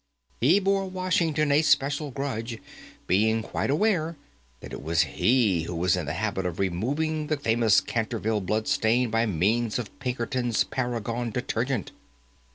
He bore Washington a special grudge, being quite aware that it was he who was in the habit of removing the famous Canterville blood stain by means of Pinkerton's Paragon Detergent.